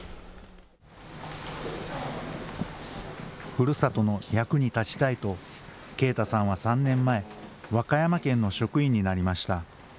ふるさとの役に立ちたいと、圭太さんは３年前、和歌山県の職員になりました。